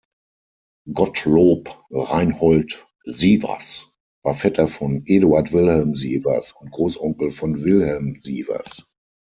Gottlob Reinhold Sievers war Vetter von Eduard Wilhelm Sievers und Großonkel von Wilhelm Sievers.